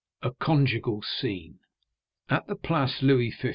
A Conjugal Scene At the Place Louis XV.